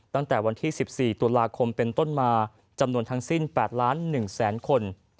ตั้งแต่วันที่๑๔ตุลาคมเป็นต้นมาจำนวนทั้งสิ้น๘ล้าน๑แสนคน